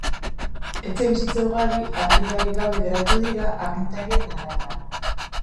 Etxebizitza ugari argindarrik gabe geratu dira, agintarien arabera.